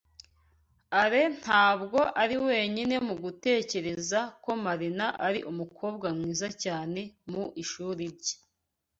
Alain ntabwo ari wenyine mu gutekereza ko Marina ari umukobwa mwiza cyane mu ishuri rye.